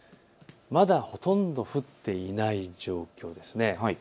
まだほとんど降っていない状況です。